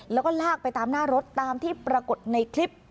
แล้วก็ลากไปตามหน้ารถตามที่ปรากฏในคลิป